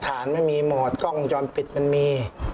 ระถานมีหมดกล้องจรปิดมี